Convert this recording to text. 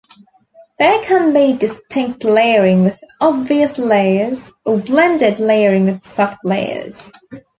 There can be distinct layering with obvious layers, or blended layering with soft layers.